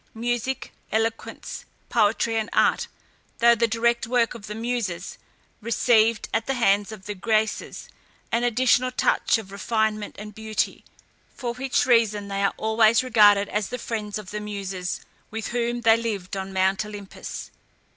Music, eloquence, poetry, and art, though the direct work of the Muses, received at the hands of the Graces an additional touch of refinement and beauty; for which reason they are always regarded as the friends of the Muses, with whom they lived on Mount Olympus.